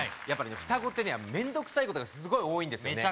やっぱり双子ってね面倒くさいことがすごい多いんですよ